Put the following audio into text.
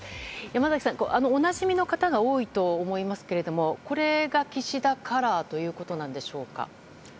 山崎さん、おなじみの方が多いと思いますけれどもこれが岸田カラーということなんでしょうか。